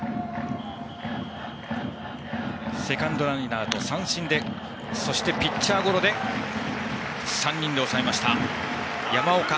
セカンドライナー、三振そしてピッチャーゴロで３人で抑えました、山岡。